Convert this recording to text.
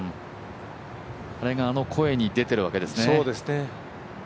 それがあの声に出ているわけですね。